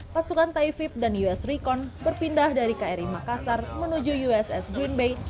pasukan taifib dan us recorn berpindah dari kri makassar menuju uss green bay